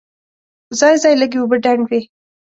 ځای ځای لږې اوبه ډنډ وې.